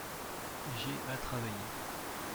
J'ai à travailler.